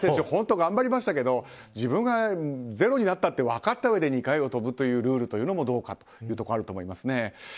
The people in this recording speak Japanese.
本当に頑張りましたけど自分がゼロになったって分かったうえで２回目飛ぶというルールもどうかというところあると思います。